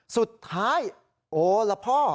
สุดท้ายโอละพ่อ